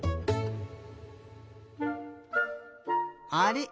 あれ？